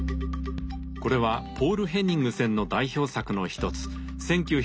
これはポール・ヘニングセンの代表作の一つ